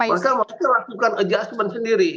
mereka melakukan adjustment sendiri